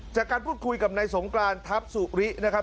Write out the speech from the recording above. จากการพูดคุยกับนายสงกรานทัพสุรินะครับ